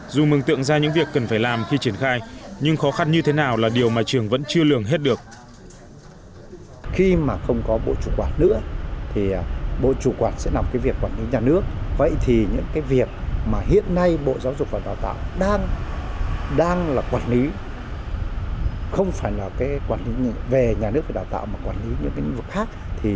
dù mừng tượng ra những việc cần phải làm khi triển khai nhưng khó khăn như thế nào là điều mà trường vẫn chưa lường hết được